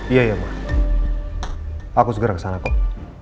iya ya ma aku segera ke sana kok